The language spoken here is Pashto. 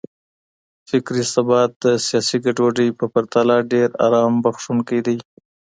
فکري ثبات د سياسي ګډوډۍ په پرتله ډېر آرام بښونکی دی.